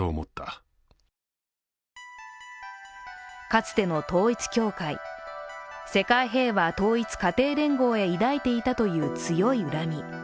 かつての統一教会、世界平和統一家庭連合へ抱いていたという強い恨み。